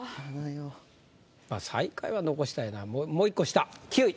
最下位は残したいなもう１個下９位。